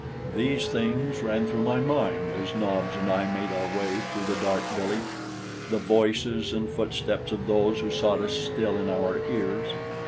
These things ran through my mind as Nobs and I made our way through the dark village, the voices and footsteps of those who sought us still in our ears.